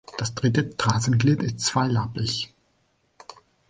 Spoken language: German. Das dritte Tarsenglied ist zweilappig.